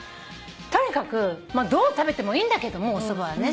とにかくどう食べてもいいんだけどもおそばはね。